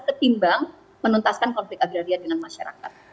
ketimbang menuntaskan konflik agraria dengan masyarakat